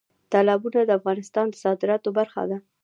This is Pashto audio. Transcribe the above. تالابونه د افغانستان د صادراتو برخه ده.